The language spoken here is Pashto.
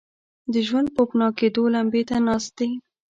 د ژوند پوپناه کېدو لمبې ته ناست دي.